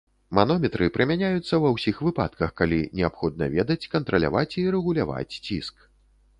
Манометры прымяняюцца ва ўсіх выпадках, калі неабходна ведаць, кантраляваць і рэгуляваць ціск.